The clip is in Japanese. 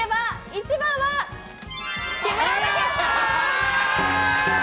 １番は、木村拓哉さん！